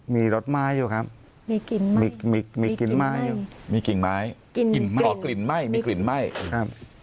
มีกลิ่นไหม้